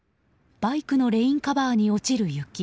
バイクのレインカバーに落ちる雪。